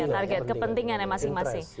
target kepentingan masing masing